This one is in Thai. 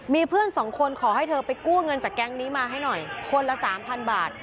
มีเพื่อนสองคนขอให้เธอไปกู้เงินจากแก๊งนี้มาให้หน่อยคนละสามพันบาท